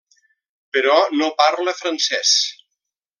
Però no parla francès.